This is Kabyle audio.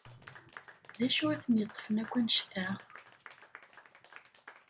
D acu i ten-yeṭṭfen akk anecta?